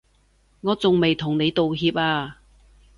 我仲未同你道歉啊